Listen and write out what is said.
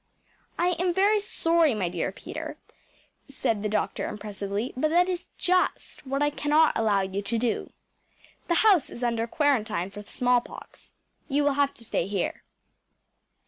‚ÄĚ “I am very sorry, my dear Peter,‚ÄĚ said the doctor impressively, “but that is just what I cannot allow you to do. This house is under quarantine for smallpox. You will have to stay here.